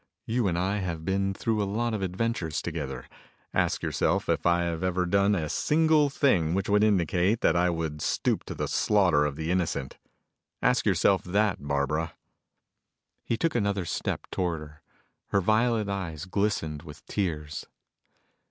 You and I have been through a lot of adventures together. Ask yourself if I have ever done a single thing which would indicate that I would stoop to the slaughter of the innocent. Ask yourself that, Barbara." He took another step toward her. Her violet eyes glistened with tears.